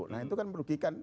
nah itu kan merugikan